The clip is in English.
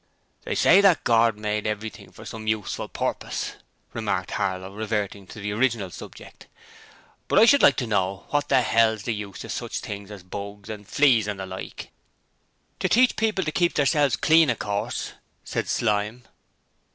'They say that Gord made everything for some useful purpose,' remarked Harlow, reverting to the original subject, 'but I should like to know what the hell's the use of sich things as bugs and fleas and the like.' 'To teach people to keep theirselves clean, of course,' said Slyme.